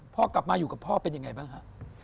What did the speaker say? พ่อกลับมาอยู่กับพ่อเป็นยังไงบ้างฮะ